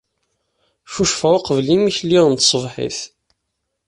Ccucfeɣ uqbel yimekli n tṣebḥit.